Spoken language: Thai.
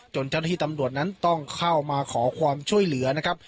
เจ้าหน้าที่ตำรวจนั้นต้องเข้ามาขอความช่วยเหลือนะครับ